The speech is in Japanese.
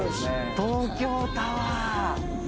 東京タワー！